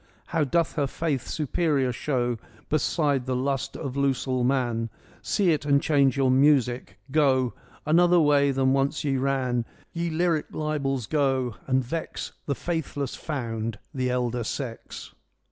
How doth her faith superior show Beside the lust of losel man ! See it, and change your music. Go Another way than once ye ran, Ye lyric libels, go, and vex The faithless found, the elder sex.'